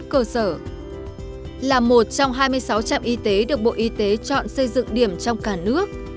cơ sở là một trong hai mươi sáu trạm y tế được bộ y tế chọn xây dựng điểm trong cả nước